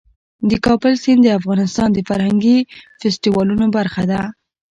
د کابل سیند د افغانستان د فرهنګي فستیوالونو برخه ده.